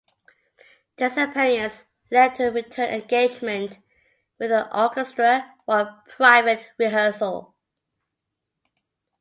This appearance led to a return engagement with the orchestra, for a private rehearsal.